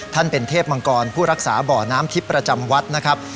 ท่านเป็นเทพมังกรผู้รักษาบ่อน้ำทิพย์ประจำวัดนะครับ